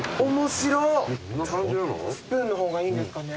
スプーンの方がいいんですかね？